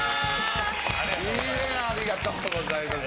ありがとうございます。